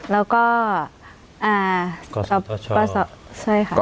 แล้วก็ประสอบช่วยค่ะ